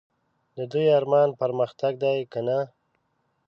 د دوی ارمان پرمختګ دی که نه ؟